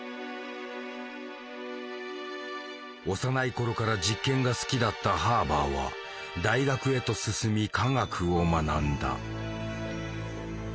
幼い頃から実験が好きだったハーバーは大学へと進み化学を学んだ。